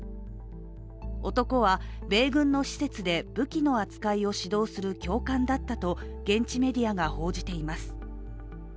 男は米軍の施設で武器の扱いを指導する教官だったと現地メディアが報じています。